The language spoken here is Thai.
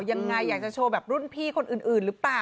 ยังไงอยากจะโชว์แบบรุ่นพี่คนอื่นหรือเปล่า